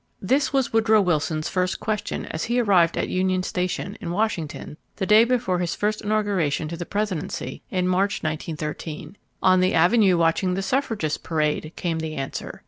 This was Woodrow Wilson's first question as he arrived at the Union Station in Washington the day before his first inauguration to the Presidency in March, 1913. "On the Avenue watching the suffragists parade," came the answer.